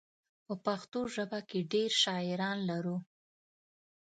په پښتو ژبه کې ډېر شاعران لرو.